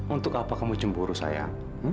untuk apa kamu cemburu saya